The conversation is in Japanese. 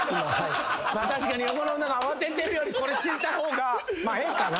まあ確かに横の女が慌ててるよりこれしてた方がまあええかな？